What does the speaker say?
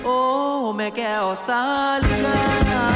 โอ้แม่แก้วสาลีลา